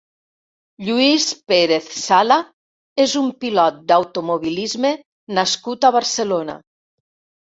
Lluís Pérez Sala és un pilot d'automobilisme nascut a Barcelona.